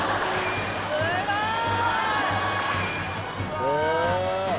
すごい！